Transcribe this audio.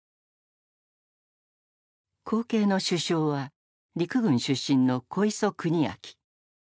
後継の首相は陸軍出身の小磯国昭。